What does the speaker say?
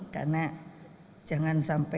karena jangan sampai